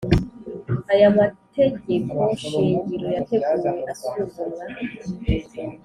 Aya mategekoshingiro yateguwe asuzumwa